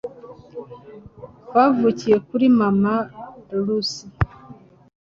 bavukiye kuri mama lucy